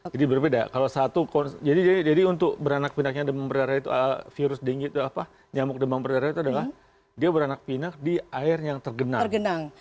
jadi berbeda jadi untuk beranak pinaknya demam berdarah itu virus dengue itu apa nyamuk demam berdarah itu adalah dia beranak pinak di air yang tergenang